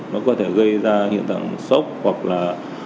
nó có thể gây ra hiện tượng sốc hoặc là